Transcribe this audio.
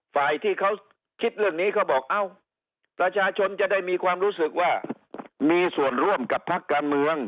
ฝ่ายที่เขาคิดเรื่องนี้เขาบอกเอ้าประชาชนจะได้มีความรู้สึกว่ามีส่วนร่วมกับพักการเมือง